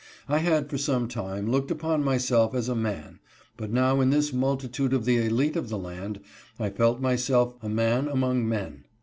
I had for some time looked upon myself as a man, but now in this multitude of the elite of the land, I felt myself a man among men.